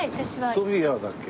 ソフィアだっけ？